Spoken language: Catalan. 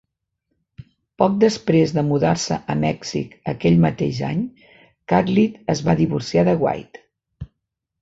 Poc després de mudar-se a Mèxic aquell mateix any, Catlett es va divorciar de White.